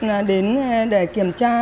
là đến để kiểm tra